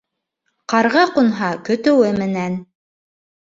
Ҡарға ҡунһа, көтөүе менән.